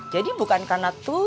jadi bukan karena berpikirnya saya